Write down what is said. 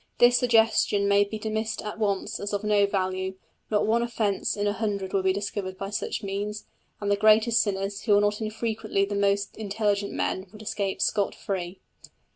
This suggestion may be dismissed at once as of no value; not one offence in a hundred would be discovered by such means, and the greatest sinners, who are not infrequently the most intelligent men, would escape scot free.